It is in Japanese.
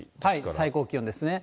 最高気温ですね。